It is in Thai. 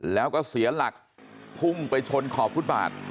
แล้วก็เสียหลักพุ่งไปชนขอบฟุตบาท